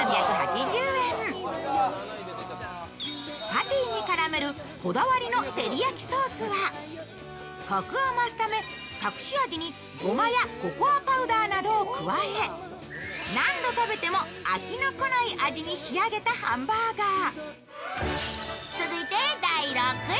パティに絡めるこだわりのてりやきソースはこくを増すため隠し味にごまやココアパウダーなどを加え何度食べても飽きのこない味に仕上げたハンバーガー。